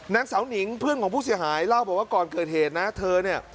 นางสาวหนิงเพื่อนของผู้เสียหายเล่าบอกว่าก่อนเกิดเหตุนะเธอเนี่ย